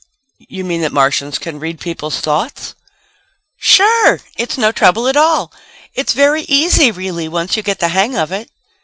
"You mean that Martians can read people's thoughts?" "Sure! It's no trouble at all. It's very easy really, once you get the hang of it."